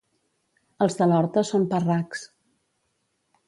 Els de l'Horta són parracs.